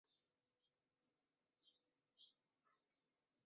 后代以右师戊以其行次仲为氏。